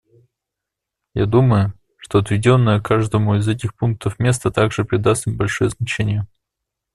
Я думаю, что отведенное каждому из этих пунктов место также придаст им большое значение.